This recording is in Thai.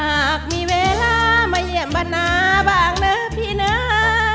หากมีเวลามาเลี่ยงบรรณาบ้างนะพี่น้า